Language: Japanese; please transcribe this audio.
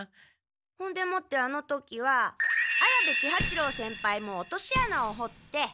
ほんでもってあの時は綾部喜八郎先輩も落としあなをほって。